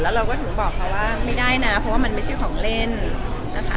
เราก็ถึงบอกเขาว่าไม่ได้นะเพราะว่ามันไม่ใช่ของเล่นนะคะ